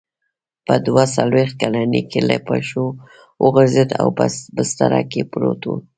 په دوه څلوېښت کلنۍ کې له پښو وغورځېد او په بستره کې پرېووت.